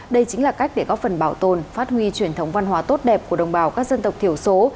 đây chính là cách để góp phần bảo tồn phát huy truyền thống văn hóa tốt đẹp của đồng bào các dân tộc thiểu số